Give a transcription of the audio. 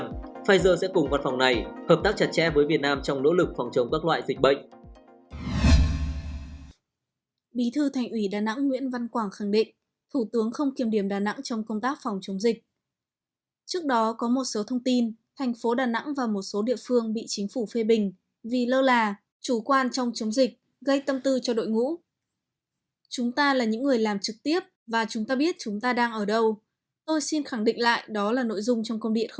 pfizer sẽ cùng văn phòng này hợp tác chặt chẽ với việt nam trong nỗ lực phòng chống các loại dịch bệnh